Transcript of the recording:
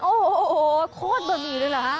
โอ้โหโคตรบะหมี่เลยเหรอฮะ